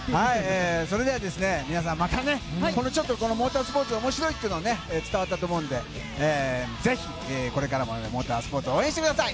それでは皆さんまたねこのモータースポーツ面白いっていうのが伝わったと思うのでぜひ、これからもモータースポーツを応援してください。